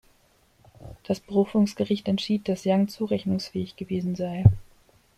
Das Berufungsgericht entschied, dass Yang zurechnungsfähig gewesen sei.